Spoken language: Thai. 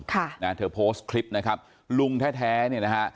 ค่ะนะเธอโพสต์คลิปนะครับลุงแท้แท้เนี่ยนะฮะ